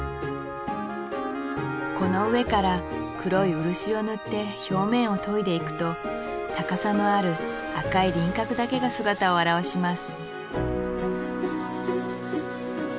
この上から黒い漆を塗って表面を研いでいくと高さのある赤い輪郭だけが姿を現します